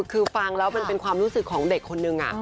คือฟังแล้วมันเป็นความรู้สึกของเด็กคนนึง